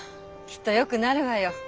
きっとよくなるわよ。